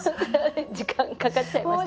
時間かかっちゃいましたけど。